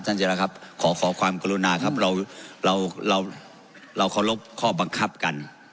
ท่านเจรัพย์ครับขอความกรุณาครับเราขอลบข้อบังคับกัน